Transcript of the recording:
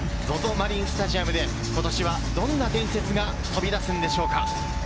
マリンスタジアムで今年はどんな伝説が飛び出すんでしょうか。